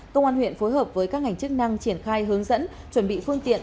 công an huyện phối hợp với các ngành chức năng triển khai hướng dẫn chuẩn bị phương tiện